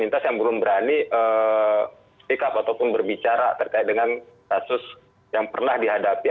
pemerintah yang belum berani speak up ataupun berbicara terkait dengan kasus yang pernah dihadapi